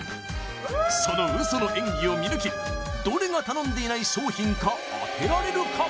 そのウソの演技を見抜きどれが頼んでいない商品か当てられるか？